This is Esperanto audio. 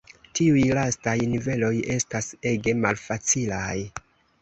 Tiuj lastaj niveloj estas ege malfacilaj.